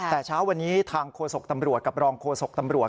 แต่เช้าวันนี้ทางโฆษกตำรวจกับรองโฆษกตำรวจ